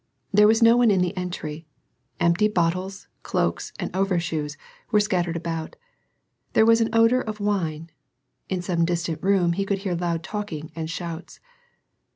There was no one in the entry; empty bottles, cloaks, and overshoes were scattered about ; there was an odor of wine ; in some distant room he could hear loud talking and shouts.